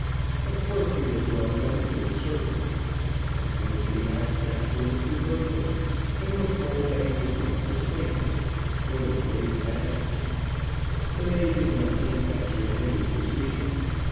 Of course he was well known to the servant. At first he asked after Mr. Bertram, and was told that he was much the same going very fast; the maid did not think that Sir Henry could see him.